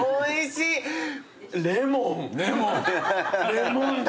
レモンだ。